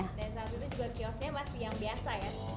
dan saat itu juga kiosnya masih yang biasa ya